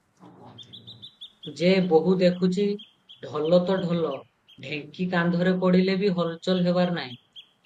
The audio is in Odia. ଯେ ବୋହୂ ଦେଖୁଛି, ଢୋଲ ତ ଢୋଲ, ଢେଙ୍କି କାନ୍ଧରେ ପଡ଼ିଲେ ବି ହଲଚଲ ହେବାର ନୁହଁ ।"